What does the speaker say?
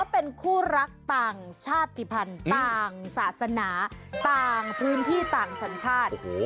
เป็นคู่รักต่างชาติภัณฑ์ต่างศาสนาต่างพื้นที่ต่างสัญชาติ